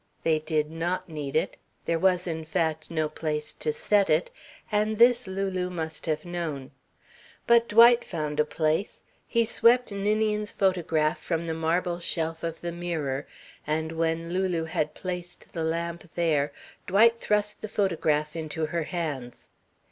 They did not need it, there was, in fact, no place to set it, and this Lulu must have known. But Dwight found a place. He swept Ninian's photograph from the marble shelf of the mirror, and when Lulu had placed the lamp there, Dwight thrust the photograph into her hands.